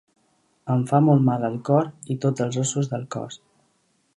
Em fa molt mal el cor i tots els ossos del cos.